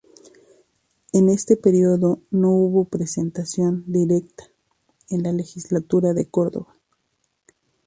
En ese período no hubo representación directa en la Legislatura de Córdoba.